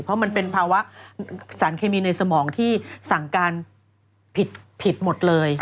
เพราะมันเป็นภาวะสารเคมีในสมองที่สั่งการผิดหมดเลย